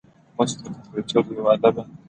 موس د کمپیوټر یوه اله ده.